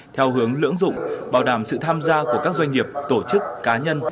theo hướng lưỡng dụng bảo đảm sự tham gia của các doanh nghiệp tổ chức cá nhân